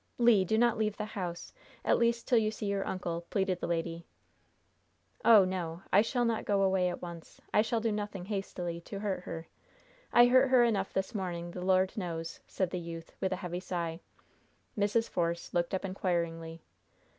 "Le, do not leave the house at least, till you see your uncle," pleaded the lady. "Oh, no, I shall not go away at once. I shall do nothing hastily, to hurt her. I hurt her enough this morning, the Lord knows!" said the youth, with a heavy sigh. Mrs. Force looked up inquiringly.